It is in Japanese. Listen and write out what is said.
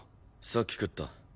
さっき食った。